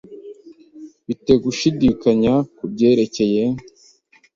Mfite gushidikanya kubyerekeye.